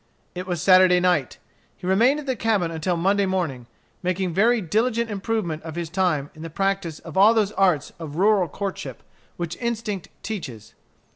It was Saturday night. He remained at the cabin until Monday morning, making very diligent improvement of his time in the practice of all those arts of rural courtship which instinct teaches.